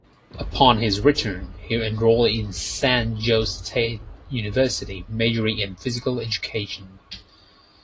Upon his return he enrolled in San Jose State University majoring in physical education.